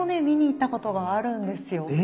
見に行ったことがあるんですよ。